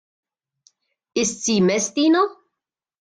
Ist sie Messdiener?